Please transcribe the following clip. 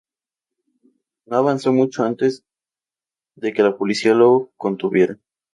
No avanzó mucho antes de que la policía lo contuviera.